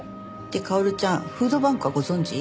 薫ちゃんフードバンクはご存じ？